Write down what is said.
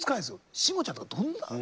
慎吾ちゃんとかどんな？